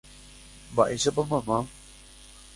Mba'éichapa mamá.